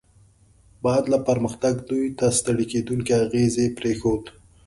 بعد له پرمختګ، دوی نه ستړي کیدونکی اغېز پرېښود.